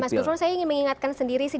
mas gufron saya ingin mengingatkan sendiri sih